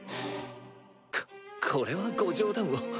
ここれはご冗談を。